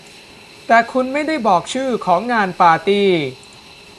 แต่คุณไม่ได้บอกชื่อของงานปาร์ตี้